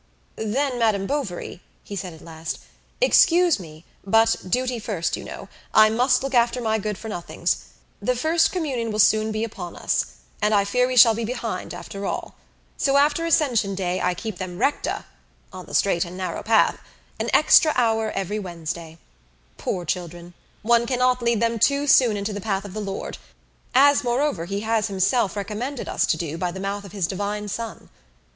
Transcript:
"Then, Madame Bovary," he said at last, "excuse me, but duty first, you know; I must look after my good for nothings. The first communion will soon be upon us, and I fear we shall be behind after all. So after Ascension Day I keep them recta an extra hour every Wednesday. Poor children! One cannot lead them too soon into the path of the Lord, as, moreover, he has himself recommended us to do by the mouth of his Divine Son.